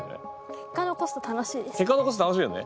結果残すと楽しいですね。